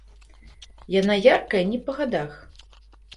Яна яркая, не па гадах.